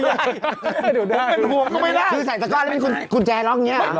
ไม่ได้หรอกนี่ชื่อใส่ตาก็รรมหรือเป็นกุญแจลองนี่หรือ